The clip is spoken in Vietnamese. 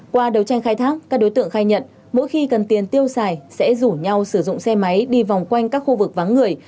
qua đầu tranh khai thác các đối tượng khai nhận mỗi khi cần tiền tiêu xài sẽ rủ nhau sử dụng xe máy đi vòng quanh các khu vực vắng người